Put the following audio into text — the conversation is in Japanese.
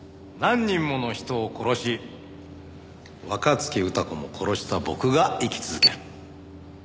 何人もの人を殺し若月詠子も殺した僕が生き続ける。